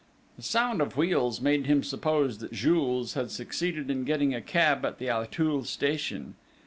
The sound of wheels made him suppose that Jules had succeeded in getting a cab at the Auteuil station.